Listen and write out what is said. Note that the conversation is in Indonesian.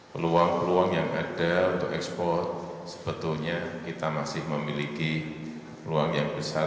peluang peluang yang ada untuk ekspor sebetulnya kita masih memiliki peluang yang besar